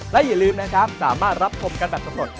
และอย่าลืมนะครับสามารถรับชมกันแบบสำรวจ